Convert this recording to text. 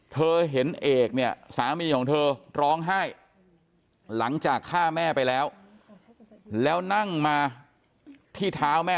เธอเห็นเอกเนี่ยสามีของเธอร้องไห้หลังจากฆ่าแม่ไปแล้วแล้วนั่งมาที่เท้าแม่